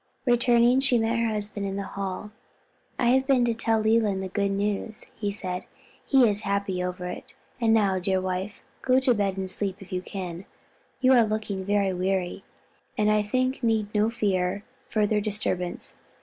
Returning she met her husband in the hall, "I have been to tell Leland the good news!" he said; "he is very happy over it. And now, dear wife, go to bed and sleep, if you can; you are looking very weary, and I think need fear no further disturbance.